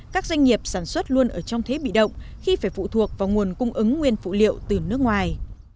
các doanh nghiệp sản xuất luôn ở trong thế bị động khi phải phụ thuộc vào nguồn cung ứng nguyên phụ liệu từ nước ngoài